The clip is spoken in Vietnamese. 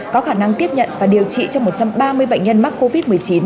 có khả năng tiếp nhận và điều trị cho một trăm ba mươi bệnh nhân mắc covid một mươi chín